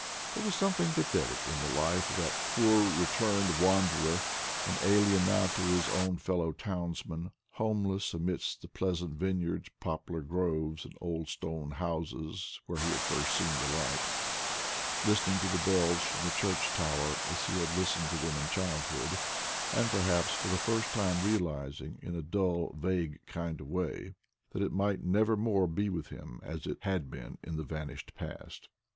There was something pathetic in the life of that poor returned wanderer, an alien now to his own fellow townsmen, homeless amidst the pleasant vineyards, poplar groves, and old stone houses where he had first seen the light; , listening to the bells from the church tower as he had listened to them in childhood, and perhaps for the first time realizing in a dull vague kind of way that it might never more be with him as it DAMIAK'S WIFE LIFE IN PATAGONIA 107 had been in the vanished past.